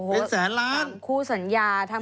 เป็นแสนล้าน